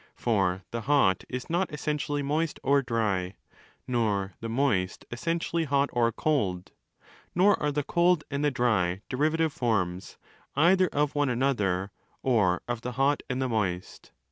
For the hot is not essentially moist or dry, nor the moist essentially hot or cold: nor are the cold and the dry deriva tive forms, either of one another or of the hot and the moist.